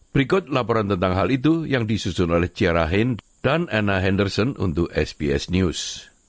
berikut laporan tentang hal itu yang disusun oleh kia rahin dan ena henderson untuk sbs news